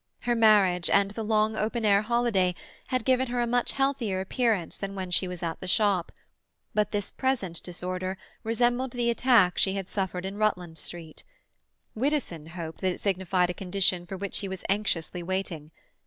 Her marriage, and the long open air holiday, had given her a much healthier appearance than when she was at the shop; but this present disorder resembled the attack she had suffered in Rutland Street. Widdowson hoped that it signified a condition for which he was anxiously waiting.